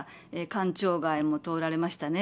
官庁街も通られましたね。